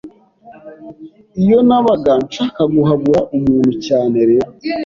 Iyo nabaga nshaka guhabura umuntu cyane rero